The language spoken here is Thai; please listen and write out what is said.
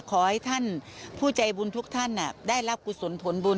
ขอให้ท่านผู้ใจบุญทุกท่านได้รับกุศลผลบุญ